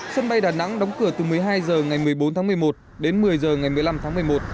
sân bay đà nẵng đóng cửa từ một mươi hai h ngày một mươi bốn tháng một mươi một đến một mươi h ngày một mươi năm tháng một mươi một